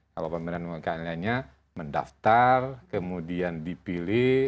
kalau pemerintahan umkm lainnya mendaftar kemudian dipilih